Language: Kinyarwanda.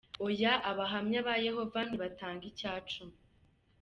Oya, Abahamya ba Yehova ntibatanga icya cumi.